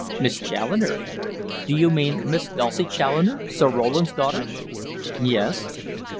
"Miss Challoner? Do you mean Miss Dulcie Challoner, Sir Roland's daughter?" "Yes."